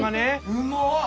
うまっ！